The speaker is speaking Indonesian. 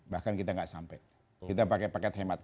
bahkan kita gak sampe kita pakai paket hemat